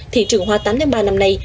thị trường hoa tám tháng ba năm nay